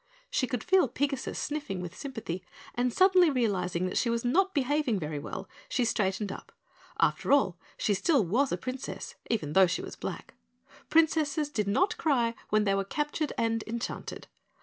She could feel Pigasus sniffing with sympathy, and suddenly realizing that she was not behaving very well, she straightened up. After all, she still was a Princess, even though she was black. Princesses did not cry even when they were captured and enchanted.